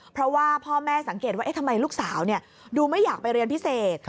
เพราะว่าพ่อแม่สังเกตว่าทำไมลูกสาวดูไม่อยากไปเรียนพิเศษ